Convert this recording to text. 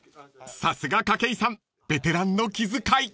［さすが筧さんベテランの気遣い］